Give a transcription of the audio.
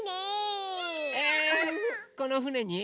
このふねに？